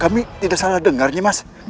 kami tidak salah dengarnya mas